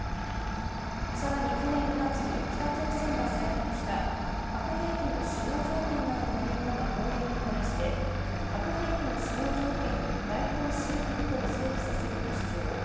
更に、去年９月に北朝鮮が採択した核兵器の使用条件などを盛り込んだ法令に照らして核兵器の使用条件に該当しうることを想起させると主張。